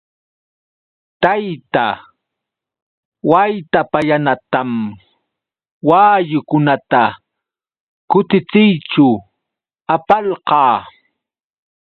Tayta Waytapallanatam wayukunata kutichiyćhu apalqaa.